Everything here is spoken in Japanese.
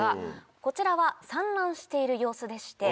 こちらは産卵している様子でして。